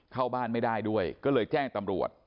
เข้าบ้านไม่ได้ด้วยก็เลยแจ้งตำรวจ